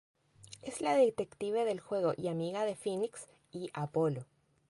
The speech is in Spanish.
Es la detective del juego y amiga de "Phoenix" y "Apollo".